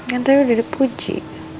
kan tadi udah dipuji